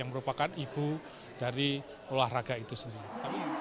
yang merupakan ibu dari olahraga itu sendiri